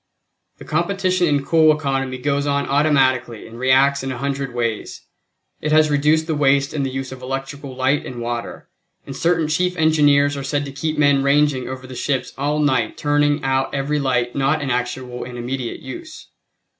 The competition in coal economy goes on automatically and reacts in a hundred ways. It has reduced the waste in the use of electric light and water, and certain chief engineers are said to keep men ranging over the ships all night turning out every light not in actual and immediate use.